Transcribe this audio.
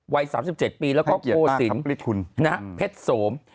วัย๓๗ปีแล้วก็โกศิลป์เพชรโสม